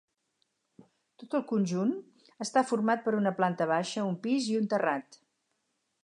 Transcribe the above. Tot el conjunt està format per una planta baixa, un pis i un terrat.